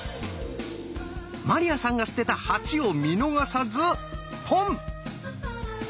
鞠杏さんが捨てた「８」を見逃さず「ポン」。